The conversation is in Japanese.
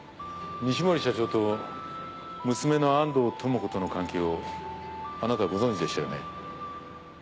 西森社長と娘の安藤智子との関係をあなたご存じでしたよね？